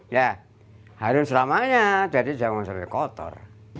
ya harum selamanya jadi jangan jangan kotor